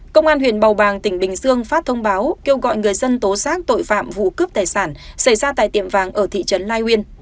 công an huyện bầu bàng tỉnh bình dương phát thông báo kêu gọi người dân tố xác tội phạm vụ cướp tài sản xảy ra tại tiệm vàng ở thị trấn lai uyên